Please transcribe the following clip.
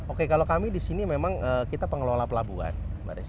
oke kalau kami di sini memang kita pengelola pelabuhan mbak desy